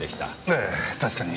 ええ確かに。